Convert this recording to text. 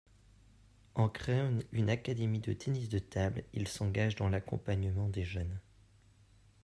En créant une académie de tennis de table il s'engage dans l'accompagnement des jeunes.